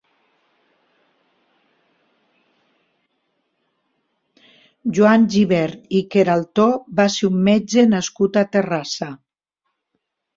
Joan Gibert i Queraltó va ser un metge nascut a Terrassa.